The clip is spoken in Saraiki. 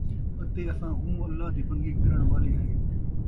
اَتے اَساں ہُوں اللہ دِی بندگی کرݨ والے ہَیں ۔